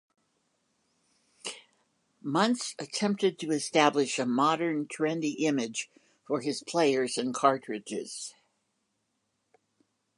Muntz attempted to establish a modern, trendy image for his players and cartridges.